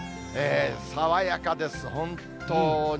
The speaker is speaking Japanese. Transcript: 爽やかです、本当に。